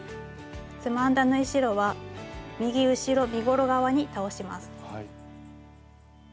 つまんだ縫い代は右後ろ身ごろ側に倒します。